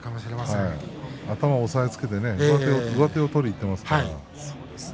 頭を押さえつけて上手を取りにいっていましたね。